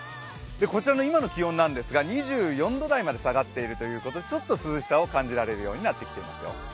こちらの今の気温なんですが２４度台まで下がっているということでちょっと涼しさを感じられるようになってきていますよ。